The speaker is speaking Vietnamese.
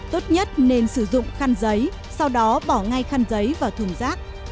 tốt nhất nên sử dụng khăn giấy sau đó bỏ ngay khăn giấy vào thùng rác